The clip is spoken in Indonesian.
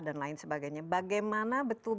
dan lain sebagainya bagaimana betulnya